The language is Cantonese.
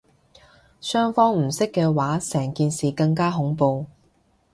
雙方唔識嘅話成件事更加恐怖